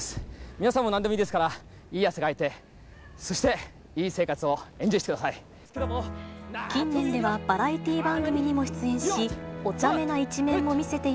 皆さんもなんでもいいですから、いい汗かいて、そして、いい生活をエンジョイしてください。